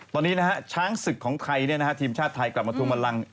ตอนนี้ช้างสึกของทีมชาติไทยกลับมาถูมิลัง